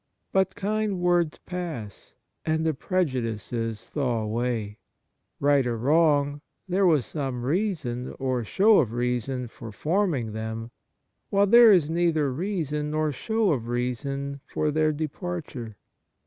But kind words pass, and the prejudices thaw away. Right or wrong, there was some reason or show of reason for forming them, while there is neither reason nor show of reason 5 2 68 Kindness for their departure.